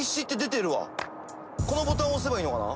このボタンを押せばいいのかな？